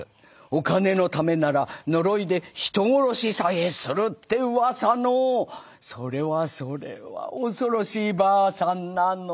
お金のためなら呪いで人殺しさえするってうわさのそれはそれは恐ろしい婆さんなの」。